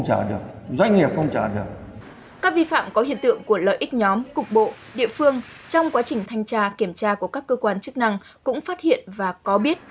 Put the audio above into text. các vi phạm có hiện tượng của lợi ích nhóm cục bộ địa phương trong quá trình thanh tra kiểm tra của các cơ quan chức năng cũng phát hiện và có biết